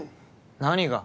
何が。